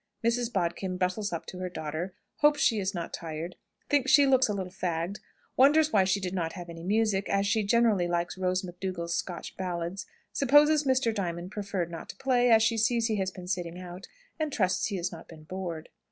Mrs. Bodkin bustles up to her daughter; hopes she is not tired; thinks she looks a little fagged; wonders why she did not have any music, as she generally likes Rose McDougall's Scotch ballads; supposes Mr. Diamond preferred not to play, as she sees he has been sitting out, and trusts he has not been bored.